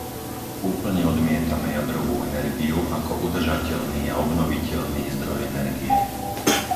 Úplne odmietame jadrovú energiu ako udržateľný a obnoviteľný zdroj energie.